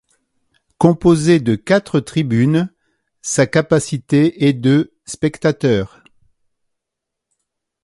Composé de quatre tribunes, sa capacité est de spectateurs.